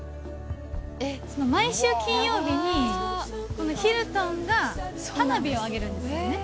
毎週金曜日に、このヒルトンが花火を上げるんですよね。